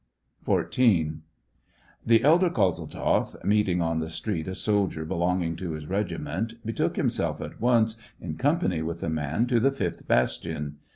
SEVASTOPOL IN AUGUST. 191 XIV. The elder Kozeltzoff, meeting on the street a soldier belonging to his regiment, betook himself at once, in company with the man, to the fifth bastion.